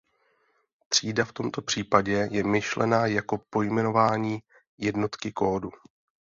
Třída v tomto případě je myšlena jako pojmenování jednotky kódu.